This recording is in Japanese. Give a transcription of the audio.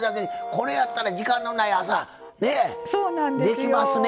これやったら時間のない朝できますね。